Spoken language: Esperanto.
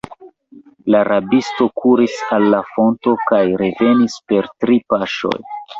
La rabisto kuris al la fonto kaj revenis per tri paŝoj.